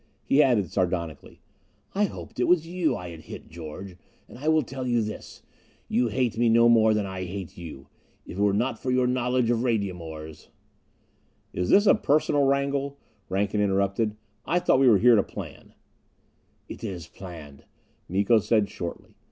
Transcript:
He added sardonically, "I hoped it was you I had hit, George. And I will tell you this: You hate me no more than I hate you. If it were not for your knowledge of radium ores " "Is this to be a personal wrangle?" Rankin interrupted. "I thought we were here to plan " "It is planned," Miko said shortly.